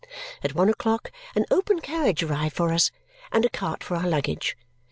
At one o'clock an open carriage arrived for us, and a cart for our luggage.